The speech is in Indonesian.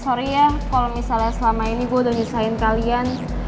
sorry ya kalau misalnya selama ini gue udah nyusahin kalian